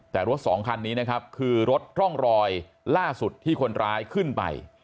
แต่รถสองคันนี้นะครับคือรถร่องรอยล่าสุดที่คนร้ายขึ้นไป